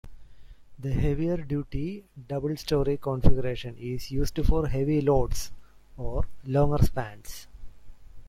The heavier duty double-storey configuration is used for heavy loads or longer spans.